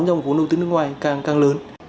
trong vốn đầu tư nước ngoài càng lớn